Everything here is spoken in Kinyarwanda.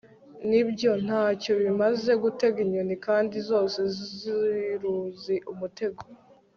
ni byo, nta cyo bimaze gutega inyoni,.kandi zose ziruzi umutego